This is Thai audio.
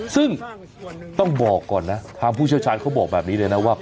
ซึ่งต้องบอกก่อนนะทางผู้เชี่ยวชาญเขาบอกแบบนี้เลยนะว่า